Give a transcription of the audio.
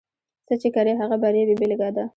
څه چې کرې، هغه به رېبې بېلګه ده.